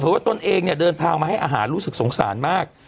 ว่าตนเองเนี่ยเดินทางมาให้อาหารรู้สึกสงสารมาก